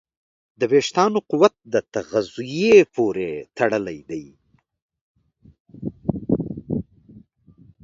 د وېښتیانو قوت د تغذیې پورې تړلی دی.